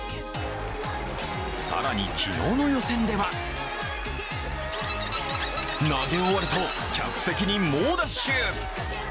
更に、昨日の予選では投げ終わると客席に猛ダッシュ。